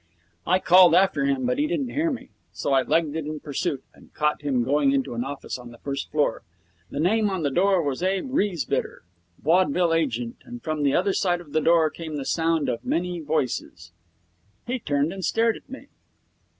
I called after him, but he didn't hear me, so I legged it in pursuit and caught him going into an office on the first floor. The name on the door was Abe Riesbitter, Vaudeville Agent, and from the other side of the door came the sound of many voices. He turned and stared at me.